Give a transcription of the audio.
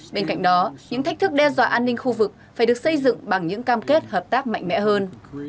bên cạnh đó những thách thức đe dọa an ninh khu vực phải được xây dựng bằng những cam kết hợp tác mạnh mẽ hơn